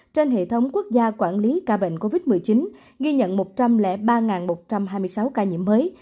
trên hệ thống quốc gia quản lý ca bệnh covid một mươi chín ghi nhận một trăm linh ba một trăm hai mươi sáu ca nhiễm mới